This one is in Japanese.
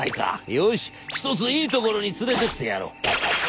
よし一ついいところに連れてってやろう」。